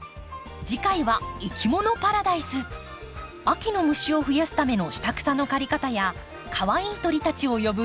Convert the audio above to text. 秋の虫を増やすための下草の刈り方やかわいい鳥たちを呼ぶ庭づくり。